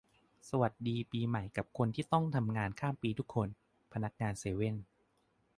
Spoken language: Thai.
ขอสวัสดีปีใหม่กับคนที่ต้องทำงานข้ามปีทุกคน พนักงานเซเว่น